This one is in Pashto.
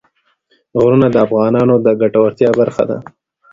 غرونه د افغانانو د ګټورتیا برخه ده.